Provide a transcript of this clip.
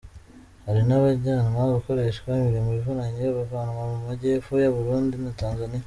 Hari n’abajyanwa gukoreshwa imirimo ivunanye, bavanwa mu Majyepfo y’u Burundi na Tanzania.